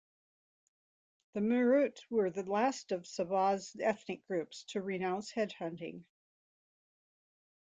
The Murut were the last of Sabah's ethnic groups to renounce headhunting.